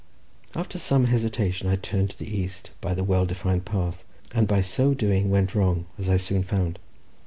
After some hesitation I turned to the east by the well defined path, and by so doing went wrong, as I soon found.